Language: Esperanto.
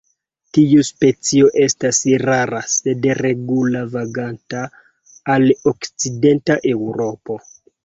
Tiu specio estas rara sed regula vaganta al okcidenta Eŭropo.